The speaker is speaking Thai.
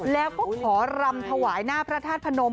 แล้วก็ขอรำถวายหน้าพระธาตุพนม